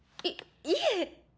いいえ。